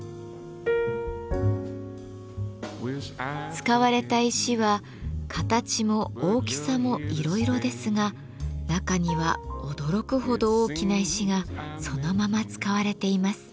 使われた石は形も大きさもいろいろですが中には驚くほど大きな石がそのまま使われています。